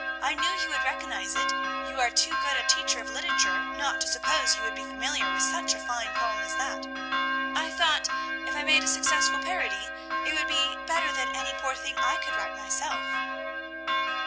I knew you would recognize it; you are too good a teacher of literature not to suppose you would be familiar with such a fine poem as that. I thought if I made a successful parody, it would be better than any poor thing I could write myself."